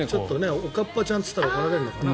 おかっぱちゃんと言ったら怒られるのかな。